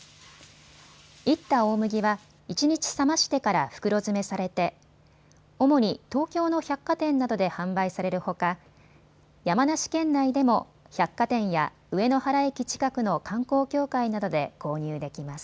いった大麦は一日冷ましてから袋詰めされて主に東京の百貨店などで販売されるほか、山梨県内でも百貨店や上野原駅近くの観光協会などで購入できます。